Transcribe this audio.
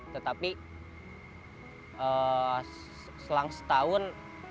tetapi selang setahun